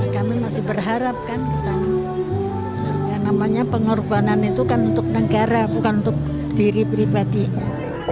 kami masih berharap kan ke sana yang namanya pengorbanan itu kan untuk negara bukan untuk diri pribadinya